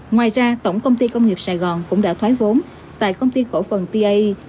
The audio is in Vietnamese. ngoài ra tổng công ty công nghiệp sài gòn cũng đã thoái vốn tại công ty cổ phần ta